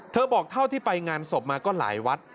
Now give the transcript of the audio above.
บอกเท่าที่ไปงานศพมาก็หลายวัด